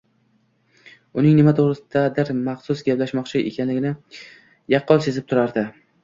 Uning nima to'g'risidadir maxsus gaplashmoqchi ekanligi yaqqol sezilib turardi.